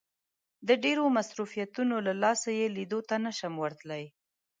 د ډېرو مصروفيتونو له لاسه يې ليدو ته نه شي ورتلای.